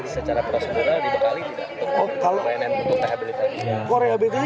secara prosedural dibekali tidak untuk bnn untuk rehabilitasi